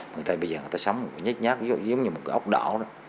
mình thấy bây giờ người ta sống nhát nhát giống như một cái ốc đỏ đó